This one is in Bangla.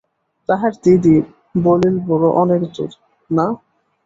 তাহার দিদি বলিলবড় অনেক দূর, না।